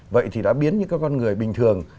vậy thì đã biến những con người bình thường